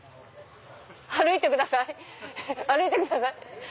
歩いてください歩いてください。